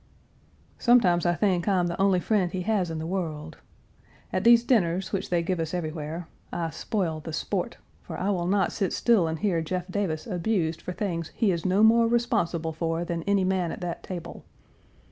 "Sometimes I think I am the only friend he has in the world. At these dinners, which they give us everywhere, I spoil the sport, for I will not sit still and hear Jeff Davis abused for things he is no more responsible for than any man at that table.